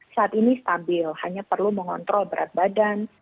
saat ini stabil hanya perlu mengontrol berat badan